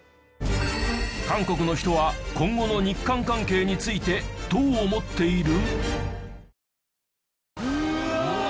韓国の人は今後の日韓関係についてどう思っている？